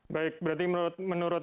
baik berarti menurut